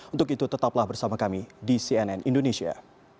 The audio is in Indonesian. untuk itu tetaplah bersama kami di cnn indonesia